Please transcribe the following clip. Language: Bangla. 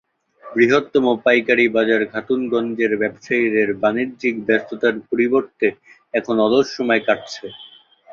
বৃহত্তম পাইকারি বাজার খাতুনগঞ্জের ব্যবসায়ীদের বাণিজ্যিক ব্যস্ততার পরিবর্তে এখন অলস সময় কাটছে।